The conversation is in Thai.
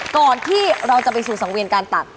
ก่อนที่เราจะไปสู่สังเวียนการตัด